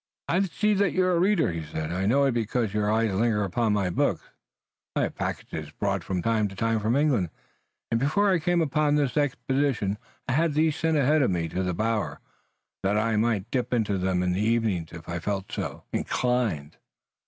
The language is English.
"I see that you are a reader," he said. "I know it because your eyes linger upon my books. I have packages brought from time to time from England, and, before I came upon this expedition, I had these sent ahead of me to the bower that I might dip into them in the evenings if I felt so inclined.